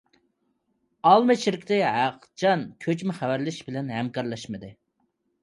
ئالما شىركىتى ھېچقاچان كۆچمە خەۋەرلىشىش بىلەن ھەمكارلاشمىدى.